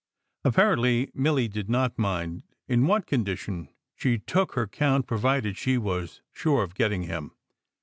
Apparently Milly did not mind in what condi tion she took her count provided she was sure of getting him.